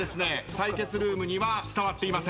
対決ルームには伝わっていません。